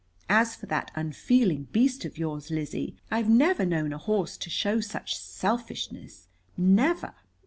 As for that unfeeling beast of yours, Lizzie, I've never known a horse to show such selfishness. Never."